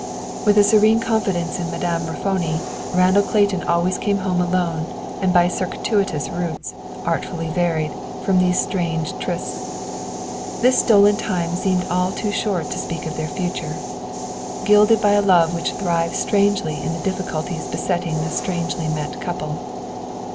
'" With a serene confidence in Madame Raffoni, Randall Clayton always came home alone and by circuitous routes, artfully varied, from these strange trysts. This stolen time seemed all too short to speak of their future, gilded by a love which thrived strangely in the difficulties besetting the strangely met couple.